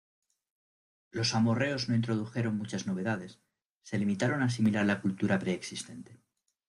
Los amorreos no introdujeron muchas novedades, se limitaron a asimilar la cultura preexistente.